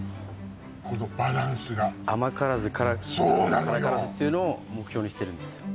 このバランスが甘からず辛からずというのを目標にしてるんですよ